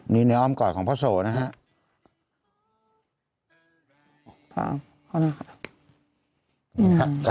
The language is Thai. นี่ในออมกรรดิของพระโชว์นะคะ